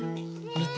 みて。